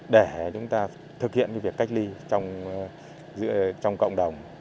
để chúng ta thực hiện việc cách ly trong cộng đồng